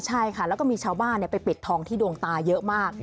ใช่ค่ะแล้วก็มีชาวบ้านไปปิดทองที่ดวงตาเยอะมาก